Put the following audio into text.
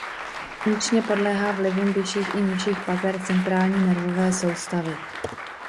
Funkčně podléhá vlivům vyšších i nižších pater centrální nervové soustavy.